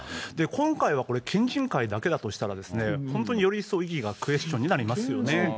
今回はこれ、県人会だけだとしたらですね、本当により一層、意義がクエスチョンになりますよね。